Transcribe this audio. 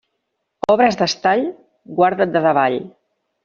Obres d'estall, guarda't de davall.